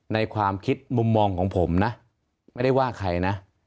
ในความคิดมุมมองของผมนะไม่ได้ว่าใครนะ